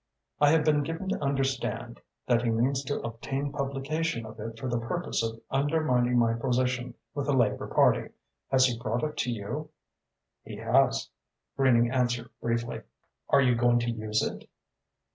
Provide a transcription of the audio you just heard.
I have been given to understand that he means to obtain publication of it for the purpose of undermining my position with the Labour Party. Has he brought it to you?" "He has," Greening answered briefly. "Are you going to use it?"